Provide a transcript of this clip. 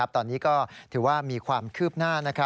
ตอนนี้ก็ถือว่ามีความคืบหน้า